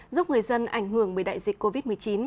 giúp người dân ảnh hưởng bởi đại dịch covid một mươi chín